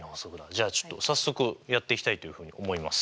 じゃあちょっと早速やっていきたいというふうに思います。